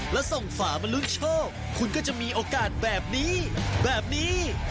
แล้วส่งฝามาลุ้นโชคคุณก็จะมีโอกาสแบบนี้แบบนี้